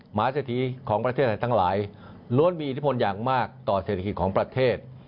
หมาเศรษฐีของประเทศอะไรทั้งหลายล้วนมีอิทธิพลอย่างมากต่อเศรษฐกิจของประเทศ